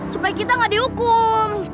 supaya kita gak dihukum